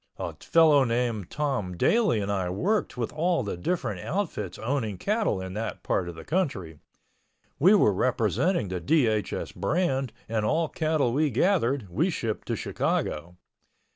A fellow named Tom Daly and I worked with all the different outfits owning cattle in that part of the country. We were representing the DHS brand and all cattle we gathered we shipped to Chicago.